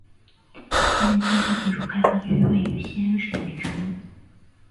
西安经济技术开发区位于西安市北城。